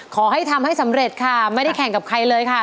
ขอให้ทำให้สำเร็จค่ะไม่ได้แข่งกับใครเลยค่ะ